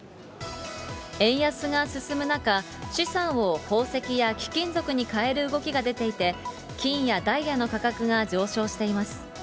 円安が進む中、資産を宝石や貴金属にかえる動きが出ていて、金やダイヤの価格が上昇しています。